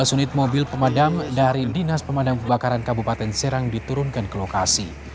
dua belas unit mobil pemadam dari dinas pemadam kebakaran kabupaten serang diturunkan ke lokasi